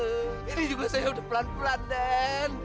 ini juga saya udah pelan pelan dan